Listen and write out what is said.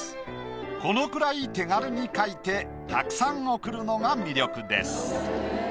このくらい手軽に描いてたくさん送るのが魅力です。